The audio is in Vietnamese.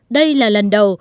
đây là lần đầu